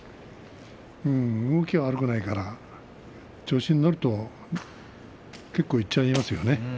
動きは悪くないから調子に乗ると結構いっちゃいますよね。